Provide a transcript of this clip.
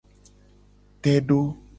Te do.